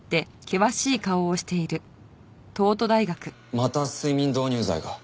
また睡眠導入剤が？